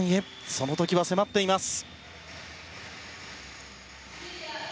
その時は迫っています。